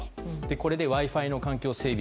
これでＷｉ‐Ｆｉの環境整備